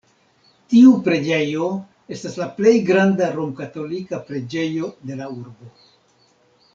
Tiu preĝejo estas la plej granda romkatolika preĝejo de la urbo.